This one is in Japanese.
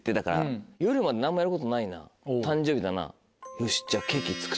「よし」。